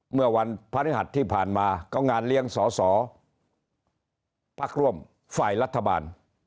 เมื่อวันพฤหัสที่ผ่านมาก็งานเลี้ยงสอสอพักร่วมฝ่ายรัฐบาล